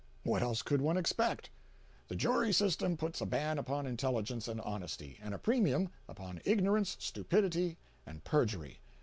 What else could one expect? The jury system puts a ban upon intelligence and honesty, and a premium upon ignorance, stupidity and perjury.